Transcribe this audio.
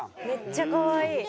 めっちゃ可愛い。